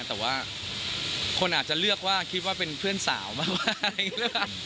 แต่ว่าคนอาจจะเลือกว่าคิดว่าเป็นเพื่อนสาวมากอะไรอย่างนี้